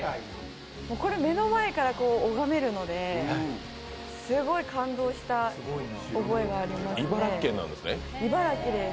これ、目の前から拝めるので、すごい感動した覚えがありますね。